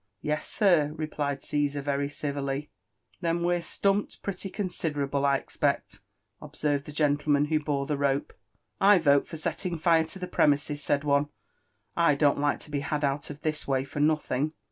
•* Yes, sir," replied Caesar rery civiHy. '* Then we're stumpt pretty considerable,' I expect," obserred the gentleman who bor^ the rope. " I vote for setting fire to the premises," said one; —" I don't Kke to be had out this way for nothing."